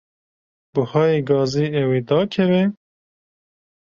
Buhayê gazê ew ê dakeve?